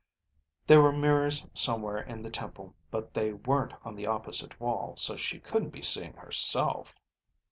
There were mirrors somewhere in the temple, but they weren't on the opposite wall, so she couldn't be seeing herself.